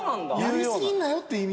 やり過ぎんなよって意味だった。